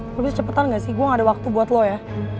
lo bisa cepetan ga sih gue ga ada waktu buat lo ya